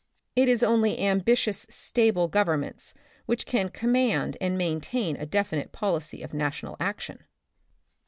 It is only ambitious staple governments which can command and maintain a definite policy of national action.